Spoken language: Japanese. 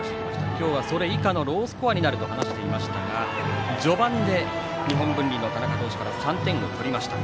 今日はそれ以下のロースコアになると話していましたが序盤で日本文理の田中投手から３点を取りました。